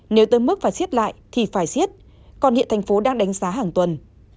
nếu tới mức phải xếp lại thì phải xếp còn hiện thành phố đang đánh giá hàng tuần